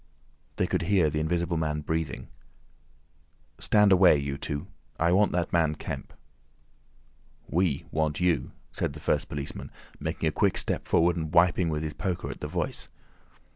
They could hear the Invisible Man breathing. "Stand away, you two," he said. "I want that man Kemp." "We want you," said the first policeman, making a quick step forward and wiping with his poker at the Voice.